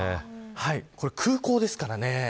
これ、空港ですからね。